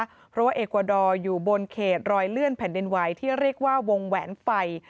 เพราะว่าเอกวาดอร์อยู่บนเขตรอยเลื่อนแผ่นดินไหวที่เรียกว่าวงแหวนไฟ